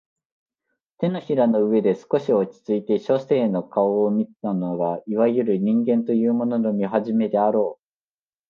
掌の上で少し落ちついて書生の顔を見たのがいわゆる人間というものの見始めであろう